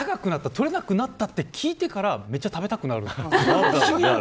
サンマって高くなって取れなくなったって聞いてからめっちゃ食べたくなる。